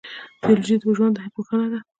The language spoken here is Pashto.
بیولوژي د ژوند پوهنه ده